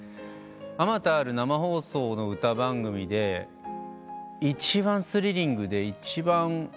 あまたある生放送の歌番組で一番スリリングで一番。